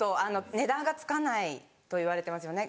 値段がつかないといわれてますよね